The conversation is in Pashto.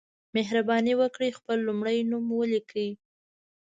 مهرباني وکړئ خپل لمړی نوم ولیکئ